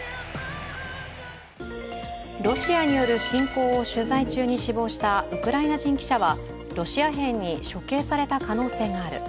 ロシアによる、侵攻を取材中に死亡したウクライナ人記者はロシア兵に処刑された可能性がある。